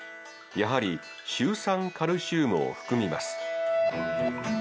やはりシュウ酸カルシウムを含みます。